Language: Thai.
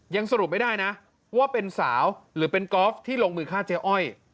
สรุปไม่ได้นะว่าเป็นสาวหรือเป็นกอล์ฟที่ลงมือฆ่าเจ๊อ้อย